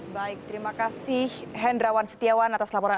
baik terima kasih hendrawan setiawan atas laporan